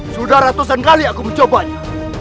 sudah ratusan kali aku mencobanya